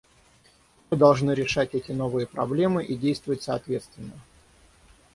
Мы должны решать эти новые проблемы и действовать соответственно.